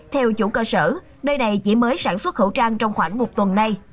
theo chủ cơ sở nơi này chỉ mới sản xuất khẩu trang trong khoảng một tuần nay